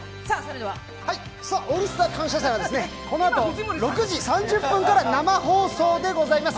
「オールスター感謝祭」ではこのあと６時３０分から生放送でございます。